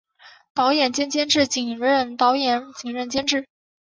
导演兼监制仅任导演仅任监制